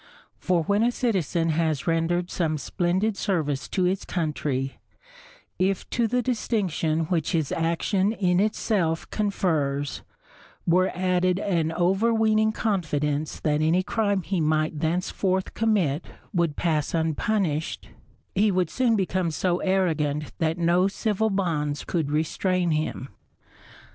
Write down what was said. For when a citizen has rendered some splendid service to his country, if to the distinction which his action in itself confers, were added an over weening confidence that any crime he might thenceforth commit would pass unpunished, he would soon become so arrogant that no civil bonds could restrain him.